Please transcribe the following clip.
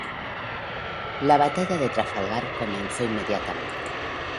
La batalla de Trafalgar comenzó inmediatamente.